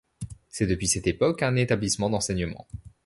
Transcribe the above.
C'est depuis cette époque un établissement d'enseignement.